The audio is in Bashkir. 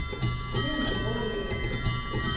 — Тем более.